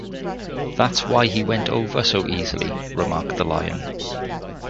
"That's why he went over so easily," remarked the Lion.